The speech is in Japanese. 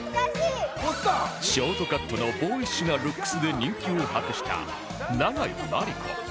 ショートカットのボーイッシュなルックスで人気を博した永井真理子